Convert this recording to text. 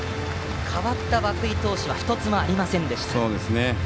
代わった涌井投手は１つもありませんでした。